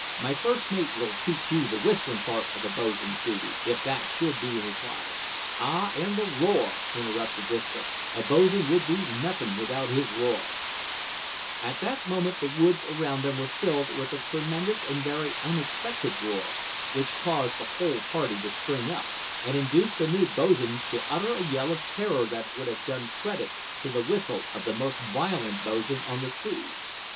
My first mate will teach you the whistling part of a boatswain's duty, if that should be required " "Ah, and the roar," interrupted Disco, "a bo's'n would be nothin' without his roar " At that moment the woods around them were filled with a tremendous and very unexpected roar, which caused the whole party to spring up, and induced the new bo's'n to utter a yell of terror that would have done credit to the whistle of the most violent bo's'n on the sea.